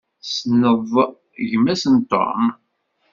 Tessneḍ gma-s n Tom?